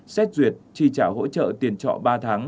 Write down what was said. xét duyệt chi trả hỗ trợ tiền trọ ba tháng